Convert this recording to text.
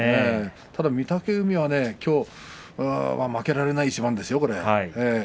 ただ御嶽海はね、きょう負けられない一番ですよ。